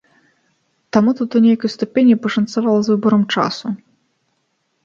Таму тут у нейкай ступені пашанцавала з выбарам часу.